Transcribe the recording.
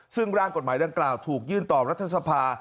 ซึ่งร่างกฎหมายดังกล่าวถูกยื่นต่อรัฐสภา